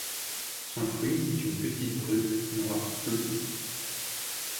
Son fruit est une petite drupe noire bleutée.